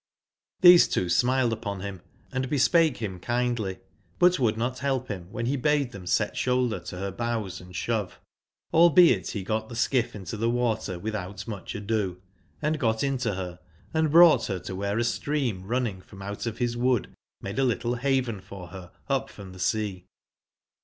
Tlhese two smiled on him and bespake him kindly, but would not help him when he bade them set shoulder to her bows and shove. Hlbeit be got the skiff into the water without much ado, and got into her, and brought her to where a stream running from out of bis wood made a little haven for her up from the sea.